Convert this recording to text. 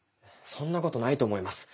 そんなことないと思います。